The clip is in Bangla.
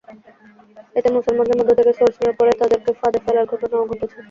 এতে মুসলমানদের মধ্য থেকে সোর্স নিয়োগ করে তাঁদেরকে ফাঁদে ফেলার ঘটনাও ঘটেছে।